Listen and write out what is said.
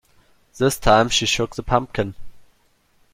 This time she shook the pumpkin.